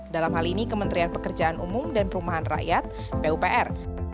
dalam hal ini kementerian pekerjaan umum dan perumahan rakyat pupr